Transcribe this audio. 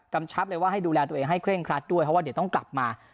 ชับเลยว่าให้ดูแลตัวเองให้เคร่งครัดด้วยเพราะว่าเดี๋ยวต้องกลับมา